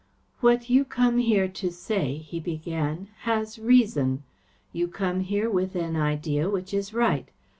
"What you come here to say," he began, "has reason. You come here with an idea which is right.